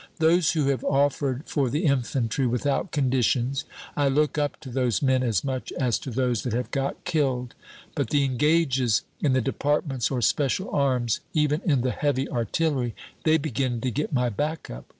Those who have offered for the infantry without conditions, I look up to those men as much as to those that have got killed; but the engages in the departments or special arms, even in the heavy artillery, they begin to get my back up.